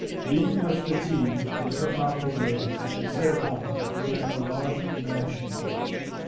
Being much fatigued, he took off his load, and sat upon it, near a large mansion.